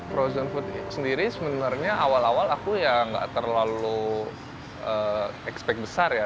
frozen food sendiri sebenarnya awal awal aku ya nggak terlalu expect besar ya